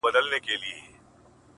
شېرینو نور له لسټوڼي نه مار باسه”